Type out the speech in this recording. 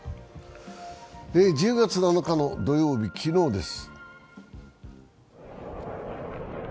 １０月７日の土曜日、昨日です。